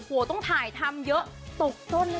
กับเพลงที่มีชื่อว่ากี่รอบก็ได้